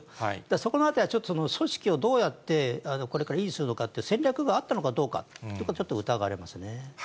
そこのあたりはちょっと、組織をどうやってこれから維持するのかって、戦略があったのかどうか、そこはちょっと疑われますね。